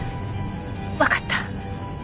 わかった。